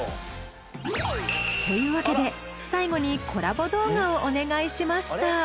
というわけで最後にコラボ動画をお願いしました。